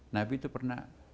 nabi itu pernah